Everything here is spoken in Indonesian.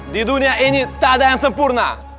di dunia ini tak ada yang sempurna